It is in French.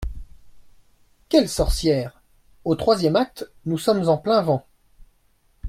Quelle sorcière ? «Au troisième acte, nous sommes en plein vent.